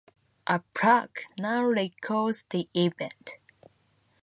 A plaque now records the event.